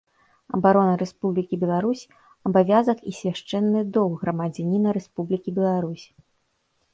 Абарона Рэспублікі Беларусь — абавязак і свяшчэнны доўг грамадзяніна Рэспублікі Беларусь.